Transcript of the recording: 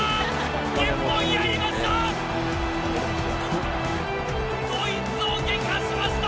日本やりました！